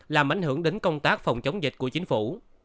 làm ảnh hưởng đến công tác phòng chống dịch của chính phủ